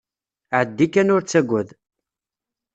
Ԑeddi kan ur ttagad.